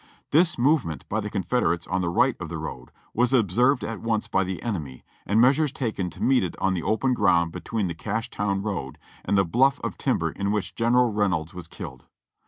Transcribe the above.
This movement by the Confederates on the right of the road was observed at once by the enemy and meas ures taken to meet it on the open ground between the Cashtown road and the bluff of timber in which General Reynolds was killed.